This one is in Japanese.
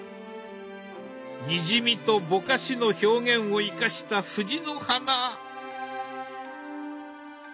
にじみとぼかしの表現を生かした藤の花。